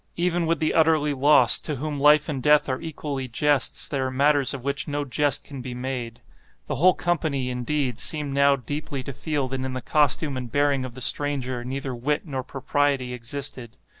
Even with the utterly lost, to whom life and death are equally jests, there are matters of which no jest can be made. The whole company, indeed, seemed now deeply to feel that in the costume and bearing of the stranger neither wit nor propriety existed.